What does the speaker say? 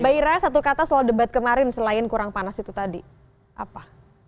mbak ira satu kata soal debat kemarin selain kurang panas itu tadi apa